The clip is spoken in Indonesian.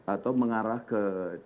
atau mengarah ke